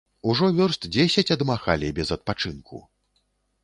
Ужо вёрст дзесяць адмахалі без адпачынку.